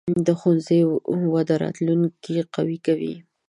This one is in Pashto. د ښوونې وده راتلونکې قوي کوي.